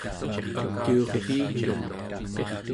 akiurviituq